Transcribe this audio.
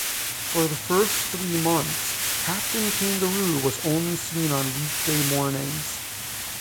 For the first three months, "Captain Kangaroo" was only seen on weekday mornings.